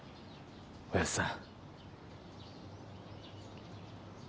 おやっさん